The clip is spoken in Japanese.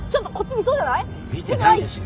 見てないですよ。